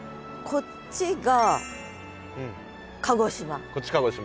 こっち鹿児島。